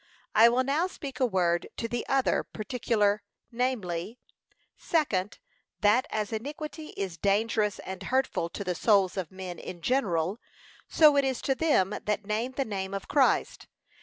I will now speak a word to the other particular, namely, Second, That as iniquity is dangerous and hurtful to the souls of men in general, so it is to them that name the name of Christ.